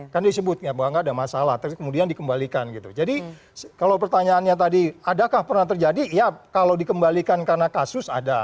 kan disebutnya bahwa nggak ada masalah terus kemudian dikembalikan gitu jadi kalau pertanyaannya tadi adakah pernah terjadi ya kalau dikembalikan karena kasus ada